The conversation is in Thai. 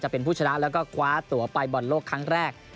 เป็นผู้ชนะแล้วก็คว้าตัวไปบอลโลกครั้งแรก